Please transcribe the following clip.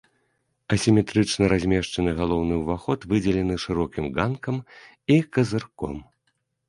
Асіметрычна размешчаны галоўны ўваход выдзелены шырокімі ганкам і казырком.